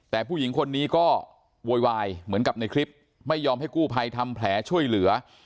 แต่ผู้หญิงคนนี้ก็โวยวายเหมือนกับในคลิปไม่ยอมให้กู้ภัยทำแผลช่วยเหลือ